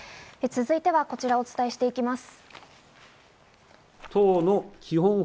続いてはこちらをお伝えします。